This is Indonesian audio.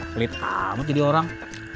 pelit amat jadi orang